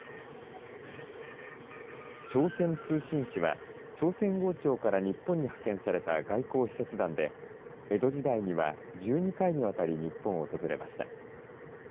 朝鮮通信使は朝鮮王朝から日本に派遣された外交使節団で江戸時代には１２回にわたり日本を訪れました。